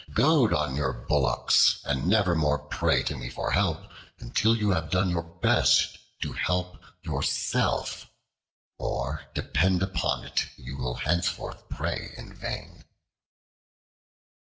Goad on your bullocks, and never more pray to me for help, until you have done your best to help yourself, or depend upon it you will henceforth pray in vain."